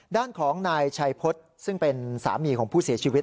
ด้านของนายชัยพฤษซึ่งเป็นสามีของผู้เสียชีวิต